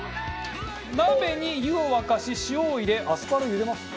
鍋に湯を沸かし塩を入れアスパラを茹でます。